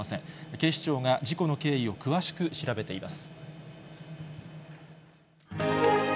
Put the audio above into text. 警視庁が、事故の経緯を詳しく調べています。